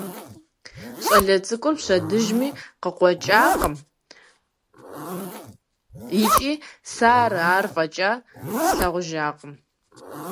ЩӀалэ цӀыкӀур пщэдджыжьми къыкъуэкӀакъым икӀи сэ ар афӀэкӀа слъагъужакъым.